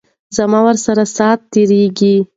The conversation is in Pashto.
زما ورسره ساعت تیریږي.